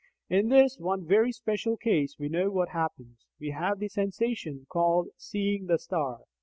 In this one very special case we know what happens: we have the sensation called "seeing the star."